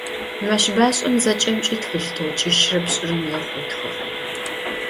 Meşbaş'em zeç'emç'i txılh t'oç'işıre pş'ırem yêxhu ıtxığ.